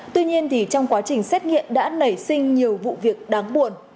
tuy nhiên trong quá trình xét nghiệm đã nảy sinh nhiều vụ việc đáng buồn